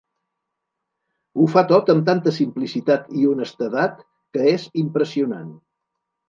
Ho fa tot amb tanta simplicitat i honestedat que és impressionant.